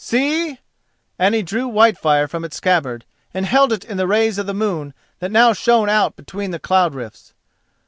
See!" and he drew Whitefire from its scabbard and held it in the rays of the moon that now shone out between the cloud rifts.